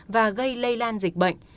và gây lây lan dịch bệnh